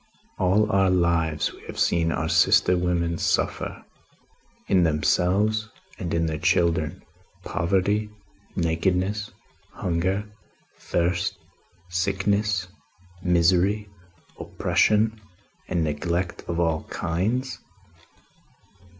All our lives, we have seen our sister women suffer, in themselves and in their children, poverty, nakedness, hunger, thirst, sickness, misery, oppression and neglect of all kinds?"